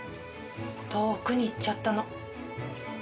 遠くに行っちゃったの。